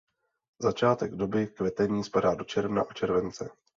Začátek doby kvetení spadá do června a července.